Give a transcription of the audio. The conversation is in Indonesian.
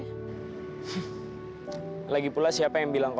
apakah itu tidak komitmen dengan pemenangnya